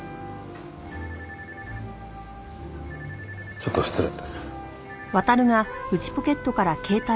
ちょっと失礼。